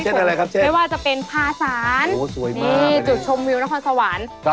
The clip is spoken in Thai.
เช่นอะไรครับเช่นโอ้โฮสวยมากนี่จุดชมวิวนครสวรรค์